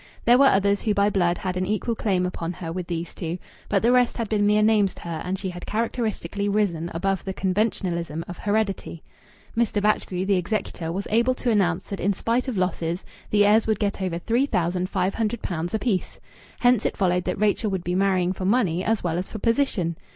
There were others who by blood had an equal claim upon her with these two, but the rest had been mere names to her, and she had characteristically risen above the conventionalism of heredity. Mr. Batchgrew, the executor, was able to announce that in spite of losses the heirs would get over three thousand five hundred pounds apiece. Hence it followed that Rachel would be marrying for money as well as for position!